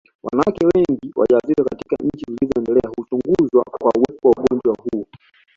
Wanawake wengi wajawazito katika nchi zilizoendelea huchunguzwa kwa uwepo wa ugonjwa huu